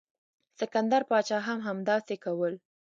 سکندر پاچا هم همداسې کول.